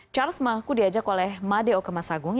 charles mengaku diajak oleh madeo kemasagung